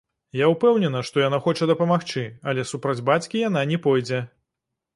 Я ўпэўнена, што яна хоча дапамагчы, але супраць бацькі яна не пойдзе.